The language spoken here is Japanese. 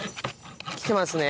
来てますね